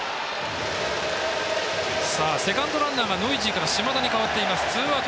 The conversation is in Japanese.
セカンドランナーがノイジーから島田に代わっています。